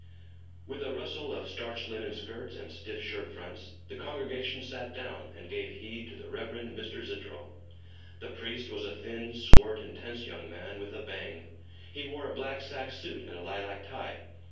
With a rustle of starched linen skirts and stiff shirt fronts, the congregation sat down, and gave heed to the Reverend Mr. Zitterel. The priest was a thin, swart, intense young man with a bang. He wore a black sack suit and a lilac tie.